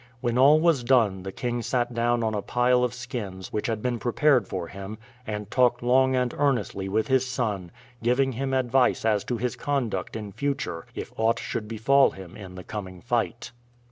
When all was done the king sat down on a pile of skins which had been prepared for him and talked long and earnestly with his son, giving him advice as to his conduct in future if aught should befall him in the coming fight.